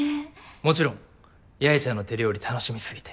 もちろん八重ちゃんの手料理楽しみすぎて。